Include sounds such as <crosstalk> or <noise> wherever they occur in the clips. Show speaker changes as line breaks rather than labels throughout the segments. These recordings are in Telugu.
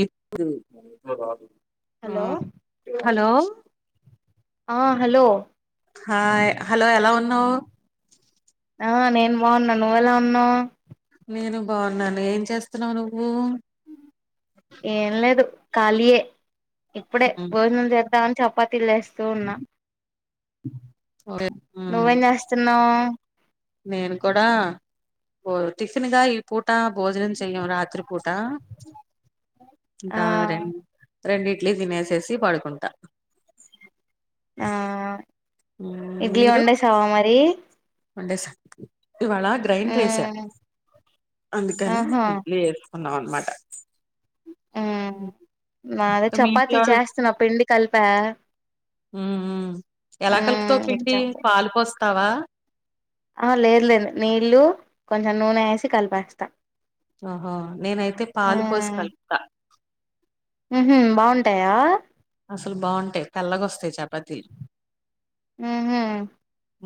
ఇప్పుడు ఆ
హలో
హలో
ఆ హలో
హాయ్ హలో ఎలా ఉన్నావ్
ఆ నేను బాగున్న నువ్వెలా ఉన్నావ్
నేను బాగున్నాను ఏం చేస్తున్నావు నువ్వు
ఏం లేదు ఖాళీయే ఇప్పుడే భోజనం చేత చెప్ పతిలేస్తూ ఉన్నా
అ
నువ్వేం చేస్తున్నావ్
నేను కూడా ఓ టిఫిన్గా ఈ పూ ట భోజనం చెయ్యం రాత్రిపూట
ఆ
ఇంకా రెం రెండిడ్లీ తినేసేసి పడుకుంటా
ఆ
ఉమ్,
ఇడ్లీ వండేశావ మరి
వండేశా ఇవాళ గ్రైండ్ర్ చేశా
మ్మ్
అందుకని ఇడ్లీ ఉన్నావ్ అనమాట
ఉమ్ నాద
మీ
చపాతి
ఇంట్లో
చేస్తున్న పిండి కలిపా
ఉమ్ ఉమ్ ఎలా
మ్మ్
కలుపుతావ్
ఇంక
పిండి
చెప్పు
పాలు పోస్ తవా
ఆ లేదు లేదు నీళ్లు కొంచెం నూనె వేసి కలిపేస్తా
ఆహ నేనైతే పాలు పోసు కలుపుత
ఉంహు బాగుంటాయా
అసలు బాగుంటాయి తెల్లగొస్తాయి చప్
ఉమ్ హు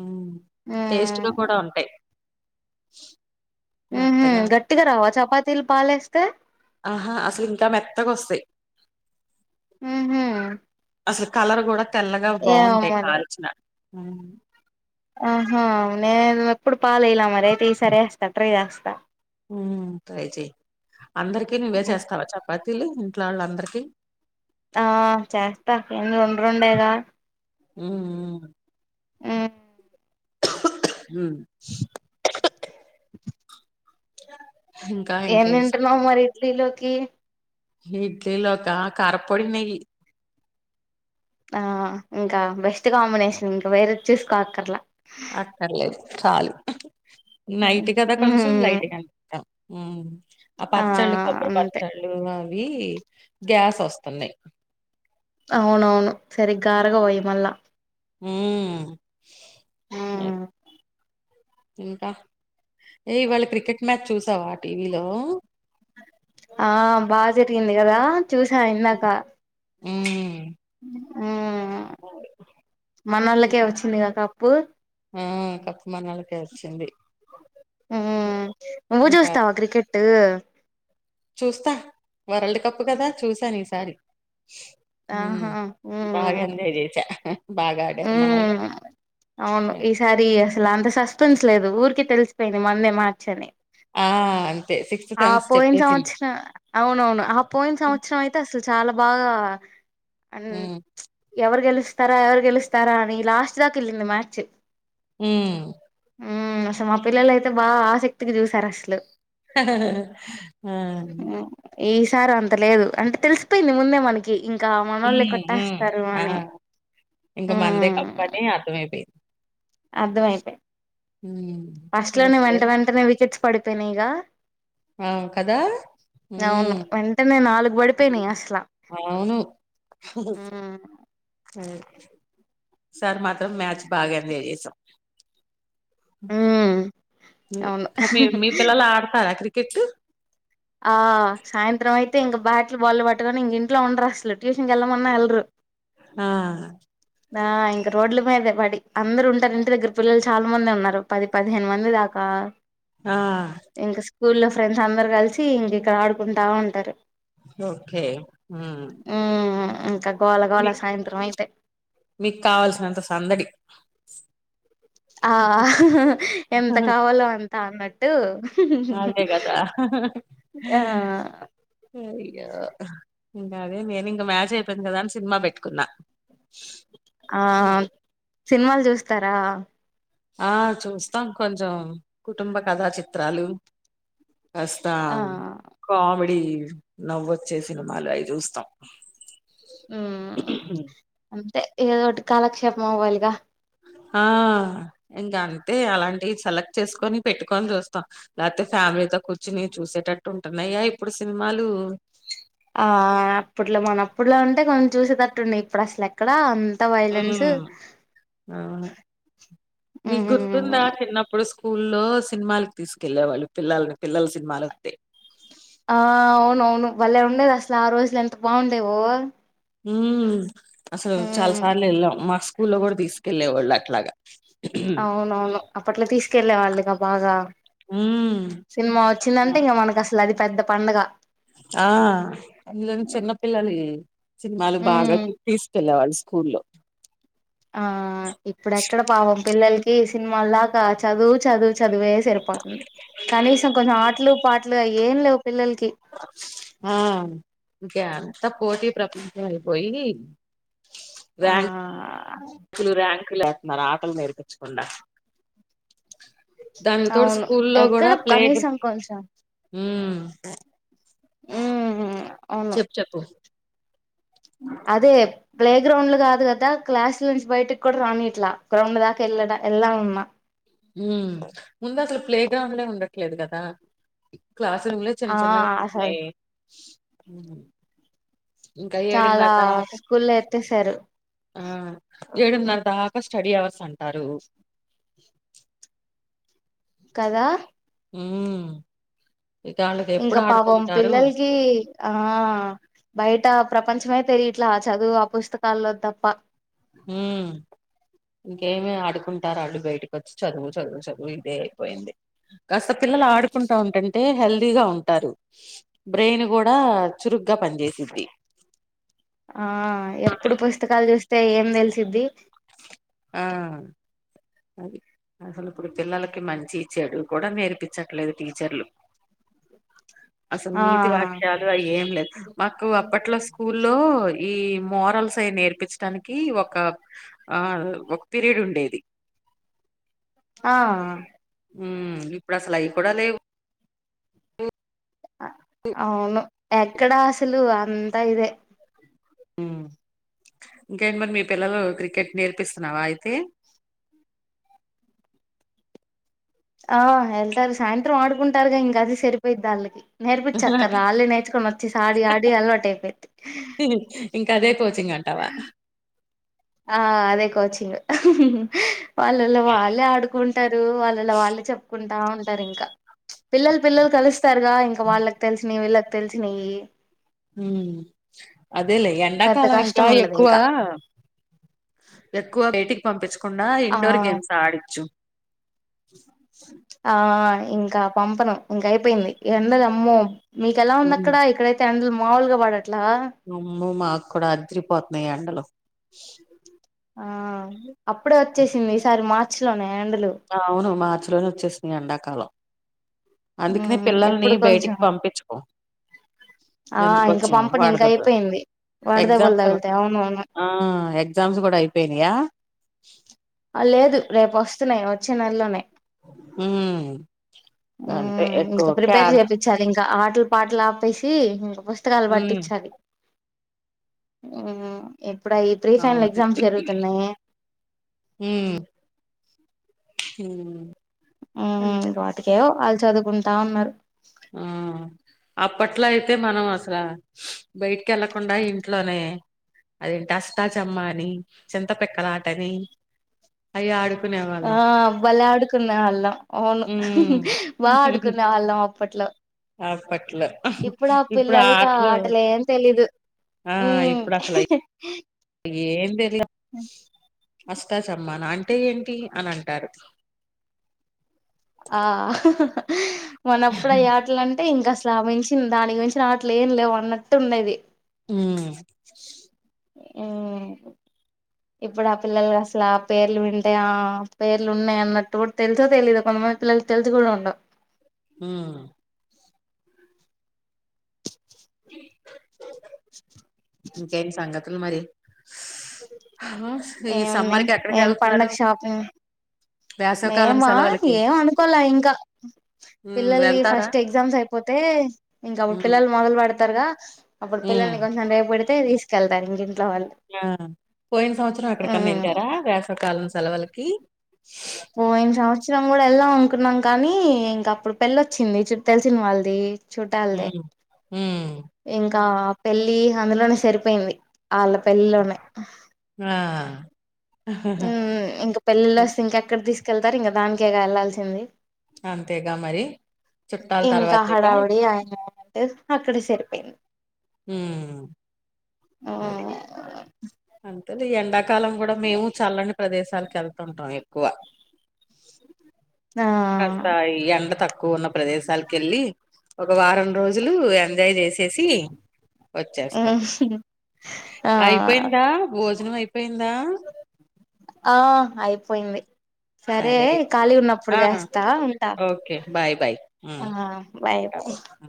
ఉమ్ టేస్ట్ గా కూడా ఉంటాయి
ఉంహు
మెత్తగా
గట్టిగా రావా చపాతీలు పాలేస్తే
ఆహా అసలు ఇంకా మెత్తగోస్తాయ్
ఉంహు
అసలు కాలర్ గుడ తెల్లగా బాగుంటాయి
మరి
కాల్చిన అవును
ఆహా నేను ఎప్పుడు పాలైల మరి అయితే ఈ సారి వేస్తా ట్రై చేస్తా
ఉమ్ ట్రై చెయ్ అందరికి నువ్వే చేస్తావా చపాతీలు ఇంట్లో వాళ్లందరికీ
ఆ చేస్తా ఎన్ని రొండురొండే గా
ఉమ్ మ్
ఉమ్
ఉమ్ హ
ఏం తింటున్నావ్ మరి ఇడ్లీలో కి
ఇడ్లీ లోక కారపొడి నెయ్యి
ఆ ఇంకా బెస్ట్ కాంబినేషన్ ఇంక వేరే చేసుకోక్కర్లా
ఆతర్లేస్ చాలు నైట్ కదా కొంచెం
ఉమ్
లైట్గా అనిపిత్తాం ఉ ఆ పచ్చళ్ళు కొబ్బరి
అంతే
పచ్చళ్ళు అవి గ్యాస్ వస్తున్నయ్
అవునవును సరిగ్గా అరగవు పోయి మళ్ళ
ఊమ్
ఉమ్
ఇంకా ఏ ఇవాళ క్రికెట్ మ్యాచ్ చూసావా టీవీలో
ఆ బా జరిగింది కదా చూసా ఇన్నాక
ఉ
ఊ అ మనోళ్ళకే
ఇంకా
వచ్చిందిగాకప్పు
ఆ కప్ మనోళ్ళకే వచ్చింది
ఊ నువ్వ్
ఇంకా
చూస్తావ క్రికెట్ అ
చూస్తా వరల్డ్ కప్ కదా చూసాను ఈసారి
ఆహా
హుమ్మ్ బాగ ఎంజాయ్ చేస్
ఊమ్ అవును ఈసారి అసలు అంత సస్పెన్స్ లేదు ఊరికి తెలిసిపోయింది మన్నే మార్చని
ఆ సిక్స్త్
ఆ
సెన్స్
పోయిన
చెప్పేసింది
సంవత్సరం అవునవును ఆ పోయిన సంవత్సరం అయితే అసలు చాల బాగా అన్
హుమ్
ఎవరు గెలుస్తారా ఎవరు గెలుస్తారా అని లాస్ట్ దాక వెళ్ళింది మ్యాచ్
ఊమ్
ఊమ్ అసలు మా పిల్లలు అయితే బాగా ఆసక్తిగ చూసారు అసలు
ఆ
ఉమ్ ఈసారి అంత లేదు అంటే తెలిసిపోయింది ముందే మనకి ఇం
ఇ గా ఆ ఇంకా మందే కప్ అని అర్థమైపోయిం
అర్ధమైపాయ్
హ్మ్
ఫస్ట్
ఇంగ
లోనే
సరే
వెంట వెంటనే రిజెక్ట్స్ పడితేనా ఇగ
ఆ కదా
అవును
ఉమ్
వెంటనే నాలుగు పడిపోయినాయి అసలా
అవును
మ్మ్
ఈసార్ మాత్రం మ్యాచ్ బాగా ఎంజాయ్ చేసాం
మ్మ్ అవును
మీ మీ పిల్లా ఆడతార క్రిక కట్
ఆ సాయంత్రం అయితే ఇంకా బ్యాట్లు బాల్ పట్టగాని ఇంక ఇంట్లో ఉండరు అసలు ట్యూషన్కి వెళ్ళమన్నా వెళ్లరు
ఆ
ద ఇంకా రోడ్ల మీద బడి అందరు ఉంటారు ఇంటి దగ్గర పిల్లలు చాలా మంది ఉన్నారు పది పదిహేను మంది దాకా
ఆ
స్కూలో ఫ్రెండ్స్ అందరు కలిసి ఇంక ఇక్కడ ఆడుకుంటా ఉంటారు
ఓకే
మ్మ్ ఇంకా గోల
మీ
గోల సాయంత్రం అయితే
మీకు కావాల్సినంత సందడి
ఆ ఎంత కావాలో అంత తాన్నట్టు
హాలిడే కదా
ఆ
అయ్యో ఇంకా అదే నేను ఇంక మ్యాజ్ అయిపోయింది కదా అని సినిమా పెట్టుకున్నా
ఆ సినిమాలు చూస్తారా
ఆ చూస్తాం కొంచెం కుటుంబ కథా చిత్రాలు అస్తా
ఆ
కామి నవ్వొచ్చే సినిమాలు అవి చూస్తాం
ఉ అంతే ఏదో ఒకటి కాలక్షేపం అవ్వాలిగా
ఆ ఇంకా అంతే అలాంటివి సెలెక్ట్ చేసుకొని పెట్టుకని చూస్తాం లేకపోతే ఫ్యామిలీతో కూర్చొని చూసేటట్టు అంటనయ్యా ఇప్పుడు సినిమాలు
ఆ అప్పట్లో మనప్పుట్లో అంటే కొంచెం చూసేటట్టు ఉండే ఇప్పుడు అసలు ఎక్కడ వైలెన్స్
నీకు
ఉమ్
గుర్తుందా చిన్నప్పుడు స్కూల్లో సినిమాలకి తీసుకెళ్ళే వాళ్ళు పిల్లల్ని పిల్లల సినిమాలు వస్తే
ఆ అవును అవును వళ్ళె ఉండేది అసలు ఆ రోజులు ఎంత బాగుండేవో
హు అసలు చాలా
ఉమ్
సార్లు వెళ్ళాం మాస్క్ స్కూల్లో కూడా తీసుకెళ్ళ వాళ్ళ అట్లగ
అవునవును అప్పట్లో తీసుకెళ్లేే వాళ్ళుగా బాగా
హ్మ్.
సినిమా వచ్చిందంటే ఇంక మనకు అసలు అది పెద్ద పండగ
ఆ అందులోని చిన్నపిల్లని సినిమాలు బాగా
ఉమ్
తీసుకెళ్ళవాడు స్కూల్లో
ఆ ఈ సినిమాలాగా చదువు చదువు చదివే సరిపోతుంది కనీసం కొంచెం ఆటలు పాటలు ఏం లేవు పిల్లలకి
హా గ్యాల అంత పోటీ ప్రపంచం అయిపోయి
ఆ
బ్రాన్ లు ర్యాంకులు వతున్నారు ఆటలు నేర్పించకుండా దానికి తోడు
అవును
స్కూల్లో
ఎక్కడ
గుడా ప్లేగ్రౌ
కనీసం కొంచెం ఉమ్ అవును
చెప్పు చెప్పు
అదే ప్లే గ్రౌండ్ కాదు కదా క్లాసుల విడిసి బయటికి కూడా రానియట్లా గ్రౌండ్ దాకా వెళ్ళడా ఎళ్లా లన్నా
ఉ ముందు అసలు ప్లే గ్రౌండ్లే ఉండట్లేదు కదా క్లాస్ రూమ్లో చిన్న
ఆ
చిన్నగా
అసలు
ఉన్నయ్
చాలా స్కూల్లో ఎత్తేసారు
ఆ ఏడున్నర దాకా స్టడీ అవర్స్ అంటారు
కదా
ఊ
ఇంక పాపం పిల్లలకి ఆ బయట ప్రపంచమే తెలియట్ల ఆ చదువు ఆ పుస్తకాల్లో తప్ప
ఊ గేమె ఆడు కుంటారు వాళ్ళు బయటక వచ్చి చదువు చదువు చదువు ఇదే అయిపోయింది కాస్త పిల్లలు ఆడుకుంటా ఉంటుంటే హెల్దీగా ఉంటారు బ్రెయిన్ కూడా చురుగ్గా పనిచేసిద్ది
ఆ ఎప్పుడు పుస్తకాలు చూస్ స్తే ఏం తెలిసిద్ది
ఆ అది అసలు ఇప్పుడు పిల్లలకి మంచి చెడు కూడా నేర్పించట్లేదు టీచర్లు అసలు
ఆ
నీతి వాక్యాలు అయి ఏం లేదు మాకు అప్పట్లో స్కూల్ లో ఈ మోరల్స్ అవి నేర్పించడానికి ఒక ఆ ఒక పీరియడ్ ఉండేది
ఆ
ఉ ఇప్పుడు అసలు అవి కూడా లేవు
అవును ఎక్కడా అసలు అంతా ఇదే
ఉ ఇంకేంటి మరి మీ పిల్లలు క్రికెట్ నేర్పిస్తున్నావా అయితే
ఆ ఎళ్తారు సాయంత్రం ఆడుకుంటారుగా ఇంగ అది సరిపోయిద్ది ఆళ్ళకి నేర్పిచ్చక్కర్ లా అళ్ళ నేర్చుకొని వచ్చిసి ఆడి ఆడి అలవాటు అయిపోది
ఇంకా అదే కోచింగ్ అంటావా
ఆ అదే కోచింగు వాళ్ళలో వాళ్ళే ఆడుకుంటారు వాళ్ళలో వాళ్ళే చెప్పుకుంటా ఉంటా సరే ఇంక పిల్లలు పిల్లలు కలుస్తారుగా ఇంకా వాళ్ళకి తెలిసిన న వీళ్ళ తెలిసినయ్య
హుమ్ అదేలే
పెద్ద
ఎండాకాలం ఇంకా
కష్టం ఉండదు
ఎక్కువ
ఇంకా
ఎక్కువ బయటికి పంపించు కుండా ఇండోర్
ఆ
గేమ్స్ ఆడిచ్చు
ఆ ఇంకా పంపను ఇంక అయిపోయింది ఎండలు అమ్మో మీకెలా ఉంది
ఉమ్
అక్కడ ఇక్కడైతే ఎండ్ల్ మాములుగాబడ లా
మ్ మాకు కూడా అదరిపోతున్నాయి ఎండలు
ఆ అప్పుడే వచ్చేసింది ఈసారి మార్ <unintelligible>
అవును మా మార్చ్ లోనే వచ్చేస్తుంది ఎండకాల అందుకనే
మ్మ్
పిల్లల్ని
ఎప్పుడు
బయటికి
కొంచెం
పంపించకు
ఆ
ఎందుకు
ఇంక
వచ్చింది
పంపను ఇంక
వాడదబ్బ
అయిపోయింది వడదెబ్బలు
ఎగ్జామ్స్
తగులుతాయి అవునవును
ఆ ఎగ్జామ్స్ కూడా అయిపోయినాయా
లేదు రేపు వస్తున్నాయి వ వచ్చే నెలలోనే
ఉమ్ అంటే
హ్మ్
ఎక్కువ
ఇంకా ప్రిపేర్
క్యార్
చేపించాలి ఇంకా ఆటలు పాటలు ఆపేసి ఇంకా పుస్తకాలు
ఉమ్
పట్టించాలి ఆ ఎప్పు ఇప్పుడ ఆ ఫ్రీ ఫైనల్
అవును
ఎగ్జామ్స్ జరుగుతున్నాయి
హ్మ్
ఆ వాటిక అ చదువుకుంటా ఉన్నారు
ఆ అప్పట్లో అయితే మనం అసల బయటికి వెళ్ళకుండా ఇంట్లోనే అదేంటి అష్టాచమ్మ అని చింతపక్కలాటని అవి ఆడు
ఆ భలే ఆడుకున్నా వాళ్ళం అవును
హ్మ్
బా ఆడుకున్నా వాళ్ళం అప్పట్లో
అప్పట్లో
ఇప్పుడు ఆ పిల్లలకి ఆ ఆటలే ఏం తెలీదు హ్మ్
ఎం తెలా అష్టాచమ్మ నా అంటే ఏంటి అని అంటారు
ఆ మనప్పుడు అ ఆటలు అంటే ఇంకా దాన్ మించి దానికి మించిన ఆటలు ఏం లేవు అన్నట్టు ఉండేది
హుమ్మ్
హుమ్మ్ ఇప్పుడు ఆ పిల్లలు అసలు ఆ పేర్లు వింటే ఆ పేర్లు ఉన్నాయి అన్నట్టు కూడా తెలుసో తెలీయదు కొంతమంది పిల్లలుకి తెలుసు కూడా ఉండవు
ఊమ్మ్మ్మ్ గి ఇంకేం సంగతి లు మరి ఆ! ఈ సమ్మర్
ఏమున్నాయి
కి ఎక్కడికి
ఏం
వెళ్తున్నారు
పండగ షాపింగ్
వేసవికాలం
మేమా
సెలవులకి
ఏం అనుకోలా ఇంకా
హ్మ్
పిల్లల్లి
వెళ్తారా
ఫస్ట్ ఎగ్జామ్స్ అయిపోతే ఇంకా
హ్మ్
పిల్లలు మొదలు పెడతారుగా అప్పుడు పిల్లల
హ్మ్
కంటినే అని వెళ్తే తీసుకెళ్తా ఇంకే
ఆ పోయిన సంవత్సరం అక్కడికన్నా వెళ్ళారా వేసవ కాలం సెలవలకి
పోయిన సంవత్సరం కూడా వెళ్దాం అనుకున్నాం కానీ ఇంక అప్పుడు పెళ్ళ వచ్చింది తెలిసిన వాళ్ళది చూట్టాలదే
హ్మ్మ్
ఇంకా పెళ్ళి అందులోనే సరిపోయింది అలా పెళ్లిలోనే
ఆ!
ఇంకా పెళ్ళిళ్ళ
హ్మ్.
వస్తే ఇంకెక్కడ తీసుకు కెళ్తారు ఇంకా దానినికే కదా వెళ్లాల్సింది
అంతేగా మరి చుట్టాల
ఇంకా
తర్వాతేగా
హడావుడి ఆయన అక్కడే సరిపోయింది
హ్మ్మ్ అది చకాలం కూడా మేము చల్లని ప్రదేశాలకు వెళ్తు ఉంటాం ఎక్కువ
ఆ
కస్తాయి ఎండ తకు తక్కువ ఉన్న ప్రదేశాలకు వెళ్ళి ఒక వారం రోజులు ఎంజాయ్ చేసి సి వచ్చేస్తాం
ఆ
అయిపోయిందా భోజనం అయిపోయిందా
ఆ అయిపోయింది సరే ఖాళీ ఉన్నప్పుడు
ఆ!
చేస్తా ఉంటా
ఓకే. బాయ్. బాయ్.
ఆ
హ్మ్.
బాయ్
ఉంటా
బై
ఆ!